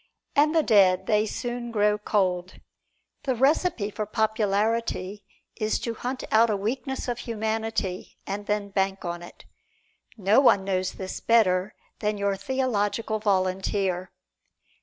And the dead they soon grow cold. The recipe for popularity is to hunt out a weakness of humanity and then bank on it. No one knows this better than your theological volunteer.